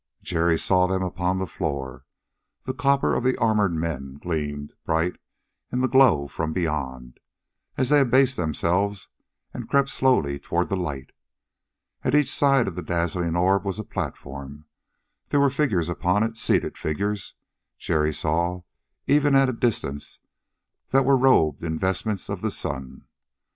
Jerry saw them upon the floor. The copper of the armored men gleamed bright in the glow from beyond, as they abased themselves and crept slowly toward the light. At each side of the dazzling orb was a platform. There were figures upon it, seated figures, Jerry saw, even at a distance, that were robed in vestments of the sun.